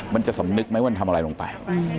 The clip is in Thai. มันจะสำนึกไหมว่ามันทำอะไรลงไป